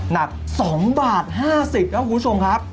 หนัก๒บาท๕๐ครับคุณผู้ชมครับ